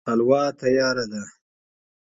حلوا تياره ده